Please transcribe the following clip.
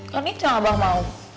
kan itu yang abah mau